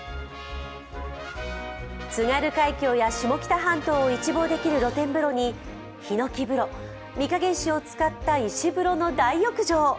津軽海峡や下北半島を一望できる露天風呂にひのき風呂、御影石を使った石風呂の大浴場。